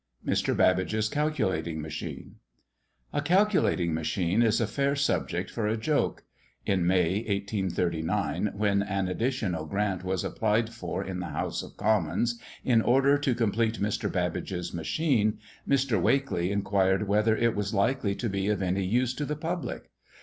MR. BABBAGE'S CALCULATING MACHINE. A calculating machine is a fair subject for a joke. In May, 1839, when an additional grant was applied for in the House of Commons, in order to complete Mr. Babbage's machine, Mr. Wakley inquired whether it was likely to be of any use to the public?